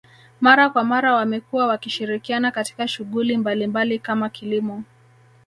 Mara kwa mara wamekuwa wakishirikiana katika shughuli mbalimbali kama kilimo